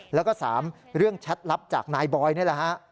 แล้วก็๓เรื่องแชทลับจากนายบอยนี่แหละฮะ